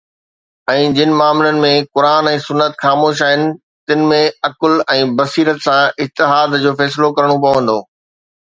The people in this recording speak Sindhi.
۽ جن معاملن ۾ قرآن ۽ سنت خاموش آهن، تن ۾ عقل ۽ بصيرت سان اجتهاد جو فيصلو ڪرڻو پوندو.